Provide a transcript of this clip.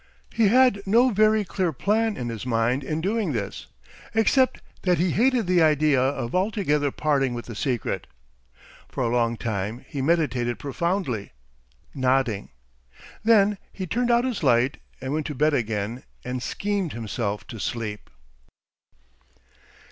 He had no very clear plan in his mind in doing this, except that he hated the idea of altogether parting with the secret. For a long time he meditated profoundly nodding. Then he turned out his light and went to bed again and schemed himself to sleep.